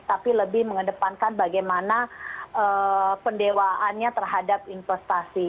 tapi lebih mengedepankan bagaimana pendewaannya terhadap investasi